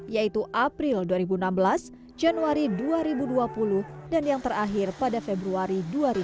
yaitu april dua ribu enam belas januari dua ribu dua puluh dan yang terakhir pada februari dua ribu dua puluh